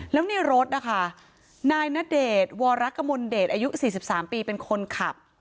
แล้วในรถนะคะนายณเดชน์วรกมลเดชอายุ๔๓ปีเป็นคนขับ